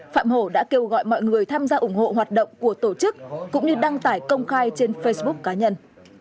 phạm hổ đã kêu gọi mọi người tham gia ủng hộ hoạt động của tổ chức cũng như đăng tải công khai trên facebook cá nhân